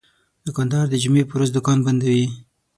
دوکاندار د جمعې ورځ دوکان بندوي.